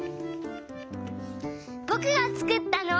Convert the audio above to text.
ぼくがつくったのは。